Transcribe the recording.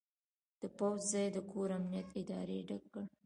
د پوځ ځای د کور امنیت ادارې ډک کړ.